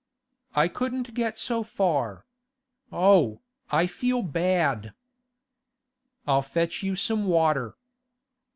'I couldn't get so far. Oh, I feel bad!' 'I'll fetch you some water.